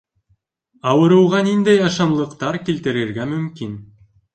Ауырыуға ниндәй ашамлыҡтар килтерергә мөмкин?